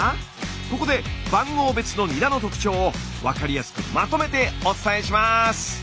ここで番号別のニラの特徴を分かりやすくまとめてお伝えします！